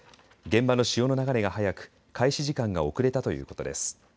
現場の潮の流れが速く開始時間が遅れたということです。